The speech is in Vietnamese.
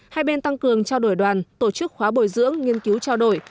hai bên tăng cường trao đổi đoàn tổ chức khóa bồi dưỡng nghiên cứu trao đổi